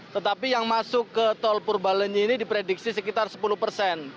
tetapi yang masuk ke tol purbalenyi ini diprediksi sekitar sepuluh persen